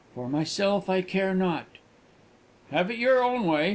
"For myself I care not!" "Have it your own way!"